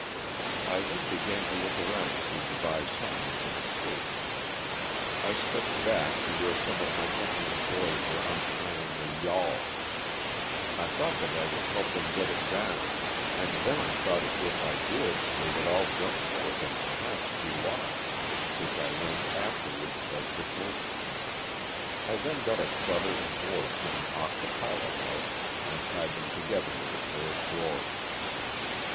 I then began to look around to devise some means of escape. I stepped back to where some of my com pany's boys were untying a yawl; I thought that I would help them get it down, and then I thought if I did they would all jump for it and perhaps be lost, LO'6'6 OK nil'. ,vf;//iANA. 147 Hfjutt*;/ and board from off th<j piJol hoij«<; arj'J tjod thorn togothor with a pair of draworn.